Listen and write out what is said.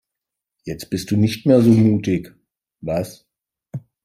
Jetzt bist du nicht mehr so mutig, was?